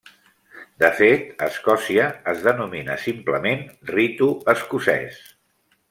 De fet, a Escòcia es denomina simplement Ritu Escocès.